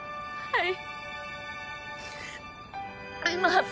はい。